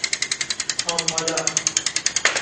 کامپالا